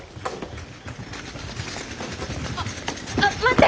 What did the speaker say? あっあっ待って。